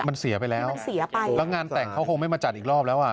มันเสียไปแล้วแล้วงานแต่งเขาคงไม่มาจัดอีกรอบแล้ว